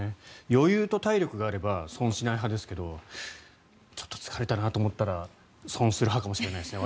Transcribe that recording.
余裕と体力があれば損しない派ですがちょっと疲れたなと思ったら損する派かもしれないですね